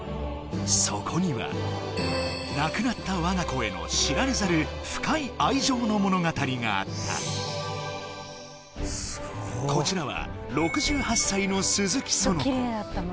そこには亡くなった我が子への知られざる深い愛情の物語があったこちらはきれいだったもの